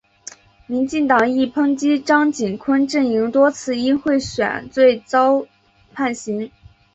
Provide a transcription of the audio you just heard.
民进党亦抨击张锦昆阵营多次因贿选罪遭判刑。